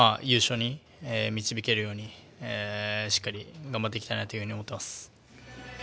優勝に導けるようにしっかり頑張っていきたいなというふうに思っています。